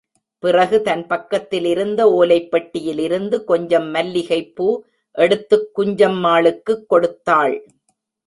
பிறகு தன் பக்கத்திலிருந்த ஓலைப் பெட்டியிலிருந்து கொஞ்சம் மல்லிகைப்பூ எடுத்துக் குஞ்சம்மாளுக்குக் கொடுத்தாள்.